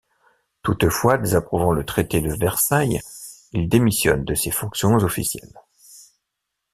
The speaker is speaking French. Toutefois, désapprouvant le Traité de Versailles, il démissionne de ses fonctions officielles.